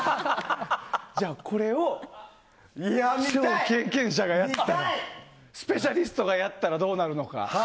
じゃあ、これを経験者スペシャリストがやったらどうなるか。